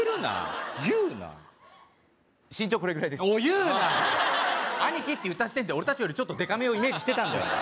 言うな兄貴って言った時点で俺達よりちょっとデカめをイメージしてたんだよ